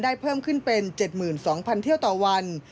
เพิ่มขึ้นเป็น๗๒๐๐เที่ยวต่อวัน